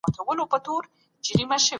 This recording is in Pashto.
که ته تږی یې نو اوبه وڅښه.